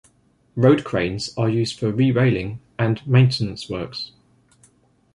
Road cranes are used for re-railing and maintenance works.